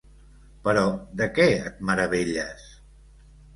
-Però… de què et meravelles?